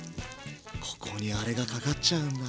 ここにアレがかかっちゃうんだ。